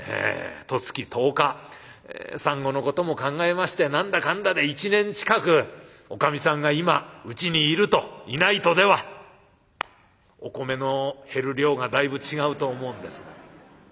十月十日産後のことも考えまして何だかんだで１年近くおかみさんが今うちにいるといないとではお米の減る量がだいぶ違うと思うんですが」。